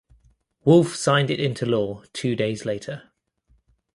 Wolf signed it into law two days later.